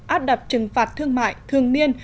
áp đặt trừng phạt thương mại thường niên